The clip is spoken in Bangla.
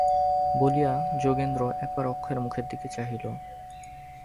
বলিয়া যোগেন্দ্র একবার অক্ষয়ের মুখের দিকে চাহিল।